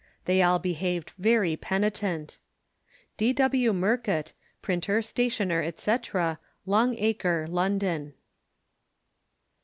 They all behaved very penitent. D. W. Murcutt, Printer, Stationer, &c., Long Acre, London.